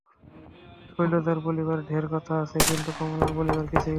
শৈলজার বলিবার ঢের কথা আছে, কিন্তু কমলার বলিবার কিছুই নাই।